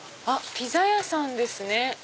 ピザ屋さんですね。